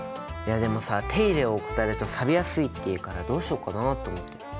いやでもさ手入れを怠るとさびやすいっていうからどうしようかなあと思って。